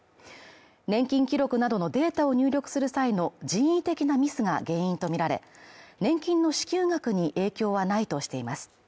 年金記録などのデータを入力する際の人為的なミスが原因とみられ、年金の支給額に影響はないとしています。